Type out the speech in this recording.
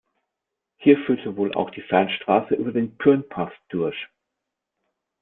Hier führte wohl auch die Fernstraße über den Pyhrnpass durch.